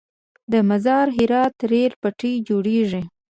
د مزار - هرات ریل پټلۍ جوړیږي؟